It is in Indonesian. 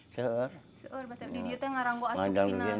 sejak zaman dulu saya bisa buka